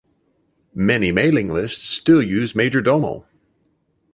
Many mailing lists still use Majordomo.